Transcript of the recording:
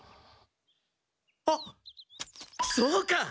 あっそうか！